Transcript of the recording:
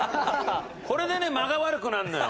これでね間が悪くなるのよ。